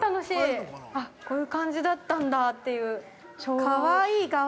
◆こういう感じだったんだっていう昭和の。